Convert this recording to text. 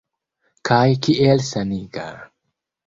Kaj kiel saniga!